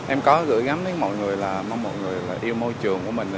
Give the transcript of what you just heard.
em có gửi gắm đến mọi người là mong mọi người là yêu môi trường của mình